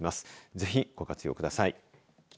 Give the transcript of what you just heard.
ぜひご活用ください。